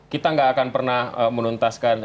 kita nggak akan pernah menuntaskan